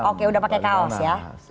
oke udah pakai kaos ya